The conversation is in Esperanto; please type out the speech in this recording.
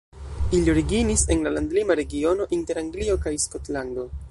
Ili originis en la landlima regiono inter Anglio kaj Skotlando.